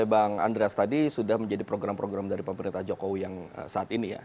bang andreas tadi sudah menjadi program program dari pemerintah jokowi yang saat ini ya